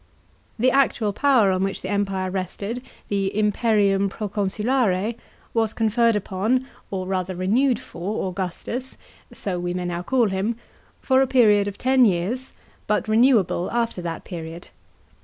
The actual power on which the Empire rested, the imperium proconsulare, was conferred upon,* or rather renewed for, Augustus (so we ma} now call him) for a period of ten years, but renewable after that period.